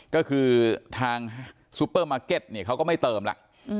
ก็คือทางซูเปอร์มาร์เก็ตเนี่ยเขาก็ไม่เติมแล้ว